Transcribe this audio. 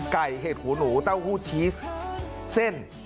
เห็ดหูหนูเต้าหู้ชีสเส้น